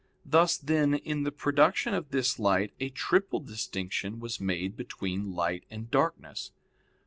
Thus, then, in the production of this light a triple distinction was made between light and darkness.